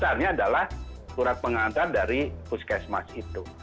dasarnya adalah surat pengantar dari puskesmas itu